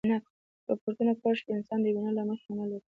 روبوټونه کولی شي د انسان د وینا له مخې عمل وکړي.